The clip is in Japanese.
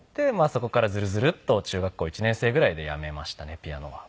そこからズルズルッと中学校１年生ぐらいでやめましたねピアノは。